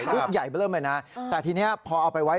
ลูกใหญ่ไปเริ่มเลยนะแต่ทีนี้พอเอาไปไว้